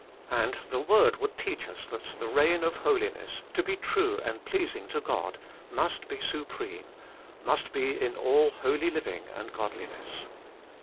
And the Word would teach us that the reign of Holiness, to be true and pleas ing to God, must be supreme, must be in all holy living and godliness.